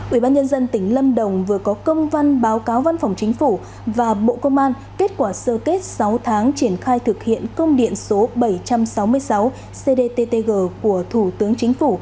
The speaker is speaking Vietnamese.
ủy ban nhân dân tỉnh lâm đồng vừa có công văn báo cáo văn phòng chính phủ và bộ công an kết quả sơ kết sáu tháng triển khai thực hiện công điện số bảy trăm sáu mươi sáu cdttg của thủ tướng chính phủ